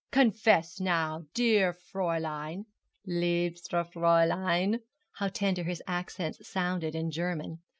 Confess now, dear Fräulein liebste Fräulein' how tender his accents sounded in German!